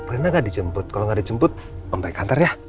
rena nggak dijemput kalau nggak dijemput om baik kantor ya